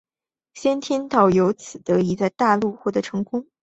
先天道由此得以在中国大陆继续活动。